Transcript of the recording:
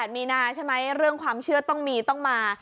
มีนาใช่ไหมเรื่องความเชื่อต้องมีต้องมา